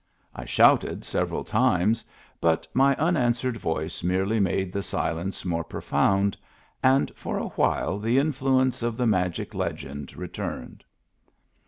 I shouted several times ; but my unanswered voice merely made the silence more profound, and for a while the influence of the magic legend returned.